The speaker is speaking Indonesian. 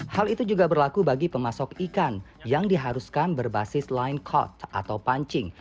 hal itu juga berlaku bagi pemasok ikan yang diharuskan berbasis line card atau pancing